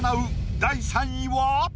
第３位は？